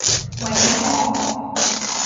永旺